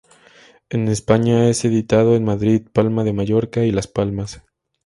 En España es editado en Madrid, Palma de Mallorca, y Las Palmas.